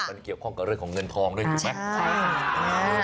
มันเกี่ยวข้องกับเรื่องของเงินทองด้วยถูกไหม